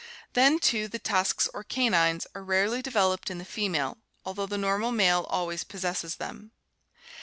Then, too, the tusks or canines are rarely developed in the female, although the normal male always possesses them.